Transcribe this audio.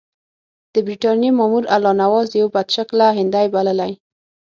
د برټانیې مامور الله نواز یو بدشکله هندی بللی.